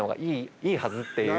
いいはずっていう。